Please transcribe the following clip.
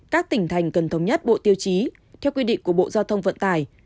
các tỉnh thành cần thống nhất bộ tiêu chí theo quy định của bộ giao thông vận tải